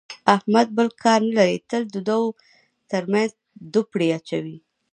احمد بل کار نه لري، تل د دوو ترمنځ دوپړې اچوي.